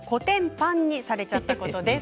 パンにされちゃったことです。